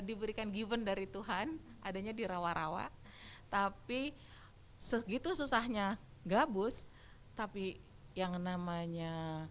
diberikan given dari tuhan adanya dirawat rawa tapi segitu susahnya gabus tapi yang namanya